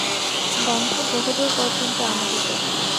গন্ধে বহুদূর পর্যন্ত আমোদিত।